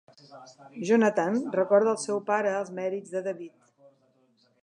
Jonathan recorda al seu pare els mèrits de David.